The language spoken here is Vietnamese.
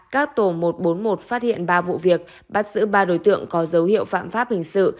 các tổ một trăm bốn mươi một phát hiện ba vụ việc bắt giữ ba đối tượng có dấu hiệu phạm pháp hình sự